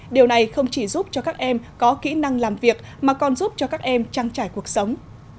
điều này không chỉ giúp cho các em có kỹ năng làm việc mà còn giúp cho các em trang trải cuộc sống